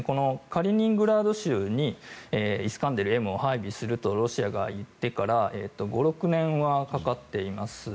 カリーニングラード州にイスカンデルＭを配備するとロシアが言ってから５６年はかかっています。